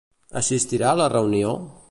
Assistirà a la reunió?